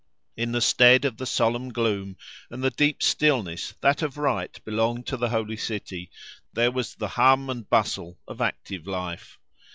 In the stead of the solemn gloom and the deep stillness that of right belonged to the Holy City, there was the hum and the bustle of active life.